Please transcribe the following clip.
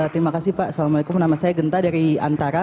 terima kasih pak assalamualaikum nama saya genta dari antara